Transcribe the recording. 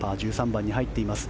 １３番に入っています。